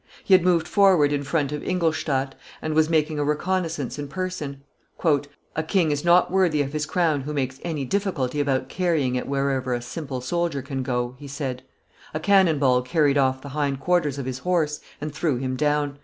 He had moved forward in front of Ingolstadt, and was making a reconnoissance in person. "A king is not worthy of his crown who makes any difficulty about carrying it wherever a simple soldier can go," he said. A cannon ball carried off the hind quarters of his horse and threw him down.